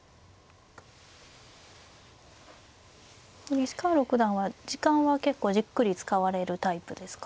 西川六段は時間は結構じっくり使われるタイプですか？